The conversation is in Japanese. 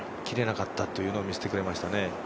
切れなかったというのを見せてくれましたね。